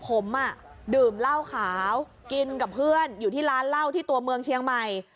ผมดื่มเหล้าขาวกินกับเพื่อนอยู่ที่ร้านเหล้าที่ตัวเมืองเชียงใหม่